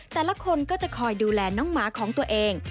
แต่ละคนก็จะคอยดูแลน้องหมาของตัวเอง